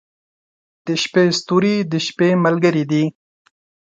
• د شپې ستوري د شپې ملګري دي.